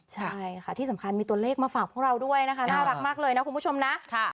ใช่ค่ะที่สำคัญมีตัวเลขมาฝากพวกเราด้วยนะคะน่ารักมากเลยนะคุณผู้ชมนะ